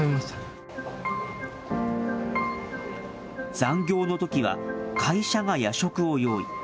残業のときは、会社が夜食を用意。